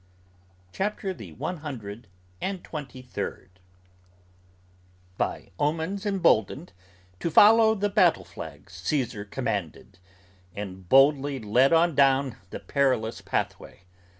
CHAPTER THE ONE HUNDRED AND TWENTY THIRD. "By omens emboldened, to follow, the battle flags, Caesar Commanded; and boldly led on down the perilous pathway.